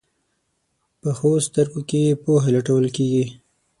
پخو سترګو کې پوهه لټول کېږي